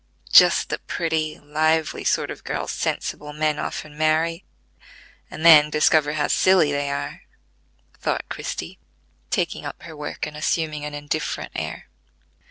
"Just the pretty, lively sort of girl sensible men often marry, and then discover how silly they are," thought Christie, taking up her work and assuming an indifferent air.